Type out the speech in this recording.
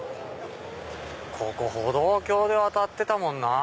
ここ歩道橋で渡ってたもんなぁ。